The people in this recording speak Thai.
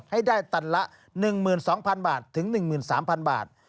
ให้ได้ตันละ๑๒๐๐๐บาทถึง๑๓๐๐บาท